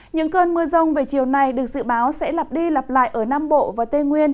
những cơn mưa rông về chiều này được dự báo sẽ lặp đi lặp lại ở nam bộ và tây nguyên